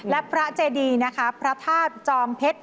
และพระเจดีนะคะพระธาตุจอมเพชร